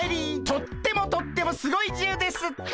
とってもとってもすごいじゅうです！